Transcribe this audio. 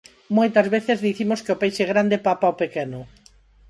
Moitas veces dicimos que o peixe grande papa o pequeno.